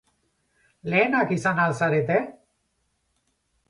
Lehenak izan al zarete?